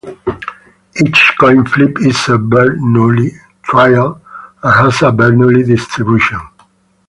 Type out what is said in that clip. Each coin flip is a Bernoulli trial and has a Bernoulli distribution.